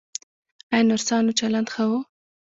ایا نرسانو چلند ښه و؟